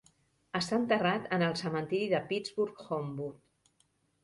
Està enterrat en el cementiri de Pittsburgh Homewood.